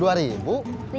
iya aku jemput kamu